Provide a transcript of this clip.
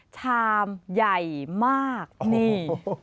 ชามใหญ่มากนี่